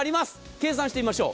計算してみましょう。